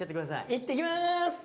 いってきます。